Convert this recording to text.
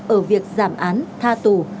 ở việc giảm án tha tử